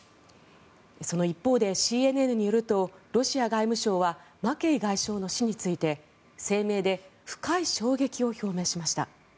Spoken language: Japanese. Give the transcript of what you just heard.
その一方でＣＮＮによるとロシア外務省はマケイ外相の死について声明で深い衝撃を表明しました。